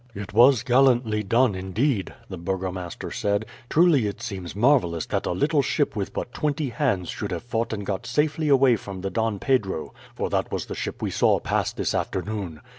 "It was gallantly done indeed," the burgomaster said. "Truly it seems marvellous that a little ship with but twenty hands should have fought and got safely away from the Don Pedro, for that was the ship we saw pass this afternoon.